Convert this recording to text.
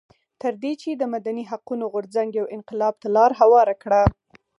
تر دې چې د مدني حقونو غورځنګ یو انقلاب ته لار هواره کړه.